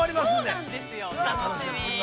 ◆そうなんですよ、楽しみ。